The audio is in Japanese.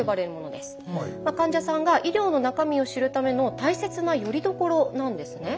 患者さんが医療の中身を知るための大切なよりどころなんですね。